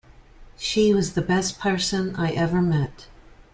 She was the best person I ever met.